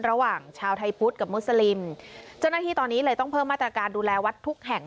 ระหว่างชาวไทยพุทธกับมุสลิมเจ้าหน้าที่ตอนนี้เลยต้องเพิ่มมาตรการดูแลวัดทุกแห่ง